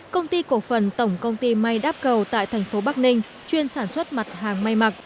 công ty cổ phần tổng công ty may đáp cầu tại thành phố bắc ninh chuyên sản xuất mặt hàng may mặc